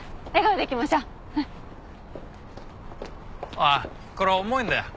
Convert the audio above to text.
あっこれ重いんだよ。